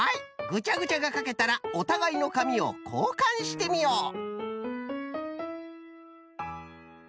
ぐちゃぐちゃがかけたらおたがいのかみをこうかんしてみよう。